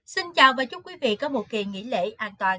xin chào và chúc quý vị có một kỳ nghỉ lễ an toàn